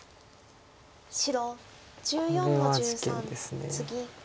これは事件です。